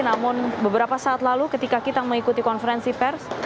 namun beberapa saat lalu ketika kita mengikuti konferensi pers